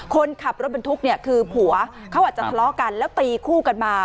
คนขับรถบรรทุกเนี่ยคือผัวเขาอาจจะทะเลาะกันแล้วตีคู่กันมา